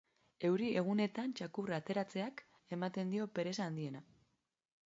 Euri egunetan txakurra ateratzeak ematen dio pereza handiena.